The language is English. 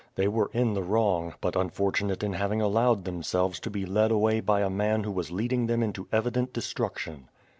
They were in the wrong, but unfortunate in hav ing allowed themselves to be led away by a man who was leading them into evident destruction.